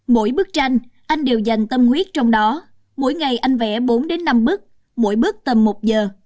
mỗi bức tranh anh đều dành tâm huyết trong đó mỗi ngày anh vẽ bốn đến năm bức mỗi bức tầm một giờ